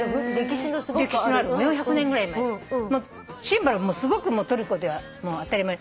シンバルもすごくトルコでは当たり前。